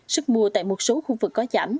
sức mua tại một số khu vực có giảm